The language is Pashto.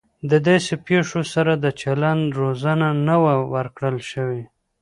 د داسې پیښو سره د چلند روزنه نه وه ورکړل شوې